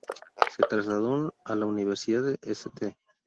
Se trasladó a la Universidad de St.